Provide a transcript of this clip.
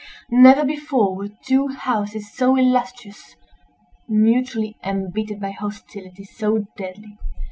Never before were two houses so illustrious, mutually embittered by hostility so deadly.